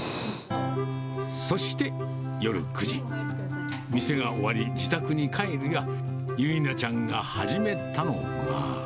そして夜９時、店が終わり、自宅に帰るや、由奈ちゃんが始めたのが。